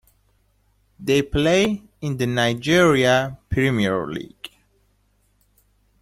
They play in the Nigeria Premier League.